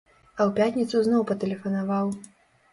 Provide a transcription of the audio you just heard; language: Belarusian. А ў пятніцу зноў патэлефанаваў.